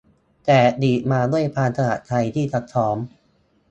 แต่ลีดมาด้วยความสมัครใจที่จะซ้อม